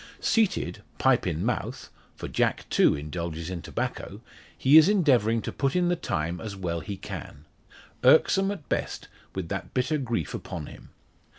Seated, pipe in mouth for Jack too indulges in tobacco he is endeavouring to put in the time as well as he can; irksome at best with that bitter grief upon him.